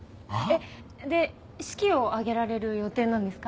で式を挙げられる予定なんですか？